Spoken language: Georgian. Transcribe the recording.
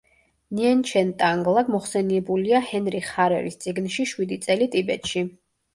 ნიენჩენ-ტანგლა მოხსენიებულია ჰენრიხ ჰარერის წიგნში „შვიდი წელი ტიბეტში“.